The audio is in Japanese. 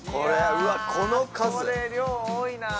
うわこれ量多いな